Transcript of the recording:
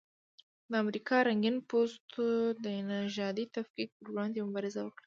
د امریکا رنګین پوستو د نژادي تفکیک پر وړاندې مبارزه وکړه.